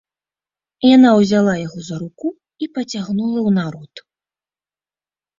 Яна ўзяла яго за руку і пацягнула ў народ.